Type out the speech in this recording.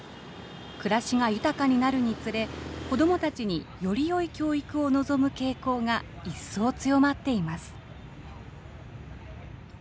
暮らしが豊かになるにつれ、子どもたちにより良い教育を望む傾向が一層強まっています。